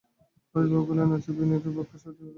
পরেশবাবু কহিলেন, আচ্ছা, বিনয় কি ব্রাহ্মসমাজে আসতে রাজি হবে?